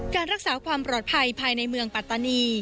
การรักษาความปลอดภัยภายในเมืองปัตตานี